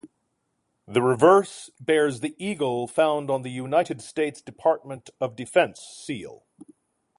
The reverse bears the eagle found on the United States Department of Defense seal.